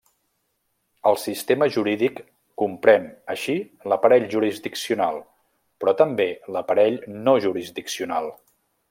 El sistema jurídic comprèn així l'aparell jurisdiccional, però també l'aparell no jurisdiccional.